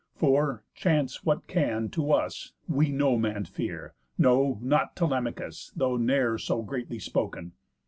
For, chance what can to us, We no man fear, no not Telemachus, Though ne'er so greatly spoken.